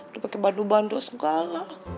dia pakai badu bando segala